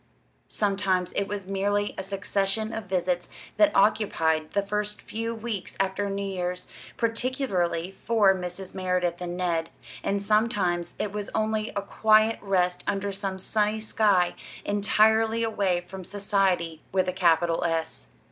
Sometimes it was merely a succession of visits that occupied the first few weeks after New Year's, particularly for Mrs. Merideth and Ned; and sometimes it was only a quiet rest under some sunny sky entirely away from Society with a capital S.